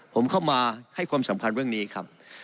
ผมเข้ามาให้ความสำคัญเรื่องนี้ครับ